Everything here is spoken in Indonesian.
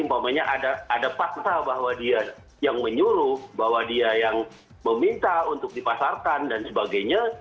umpamanya ada fakta bahwa dia yang menyuruh bahwa dia yang meminta untuk dipasarkan dan sebagainya